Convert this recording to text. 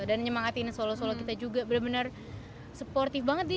dan nyemangatin solo solo kita juga bener bener supportif banget